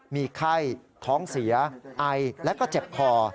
มีไข้ท้องเสียไอและก็เจ็บคอ